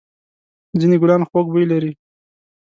ځېنې گلان خوږ بوی لري.